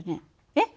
えっ？